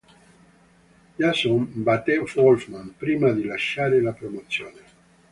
Jason batté Wolfman, prima di lasciare la promozione.